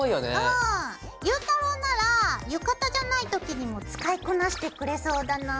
ゆうたろうなら浴衣じゃないときにも使いこなしてくれそうだな。